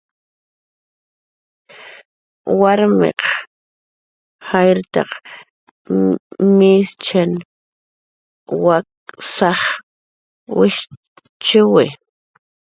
Warmiq jayrtak my simnach wak' saj wijchiwi.